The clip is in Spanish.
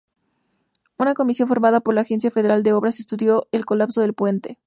Una comisión formada por la Agencia Federal de Obras estudió el colapso del puente.